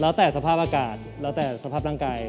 แล้วแต่สภาพอากาศแล้วแต่สภาพร่างกาย